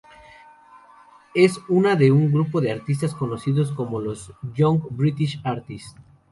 Es una de un grupo de artistas conocidos como los Young British Artists.